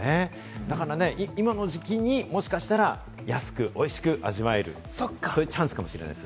だからね、今の時期にもしかしたら、安く、おいしく味わえる、そういうチャンスかもしれないです。